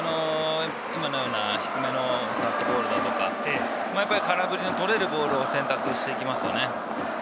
今のような低めのカットボールだとか、空振りの取れるボールを選択していきますよね。